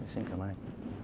xin cảm ơn